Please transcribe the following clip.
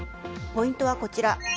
ポイントはこちら。